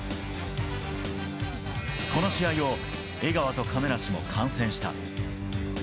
この試合を江川と亀梨も観戦した。